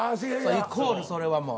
イコールそれはもう。